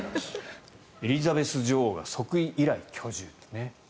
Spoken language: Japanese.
エリザベス女王が即位以来居住と。